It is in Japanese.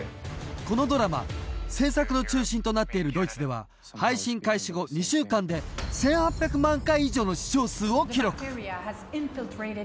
このドラマ制作の中心となっているドイツでは配信開始後２週間で１８００万回以上の視聴数を記録